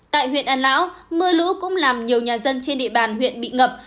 tại huyện an lão mưa lũ cũng làm nhiều nhà dân trên địa bàn huyện bị ngập